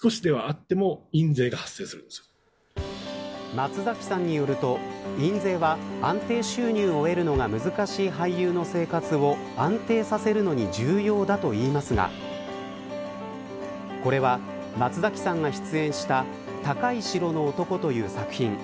松崎さんによると印税は安定収入を得るのが難しい俳優の生活を安定させるのに重要だといいますがこれは、松崎さんが出演した高い城の男という作品。